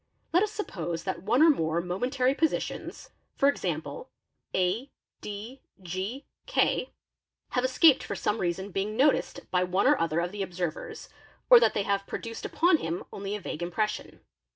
Let us suppose that one or more momentary positions, for example, a, d, g, k, have escaped for some reason being noticed by one or other of the observers or that they have produced upon him only a vague impression.